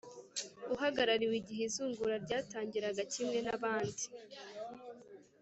uhagarariwe igihe izungura ryatangiraga kimwe naabandi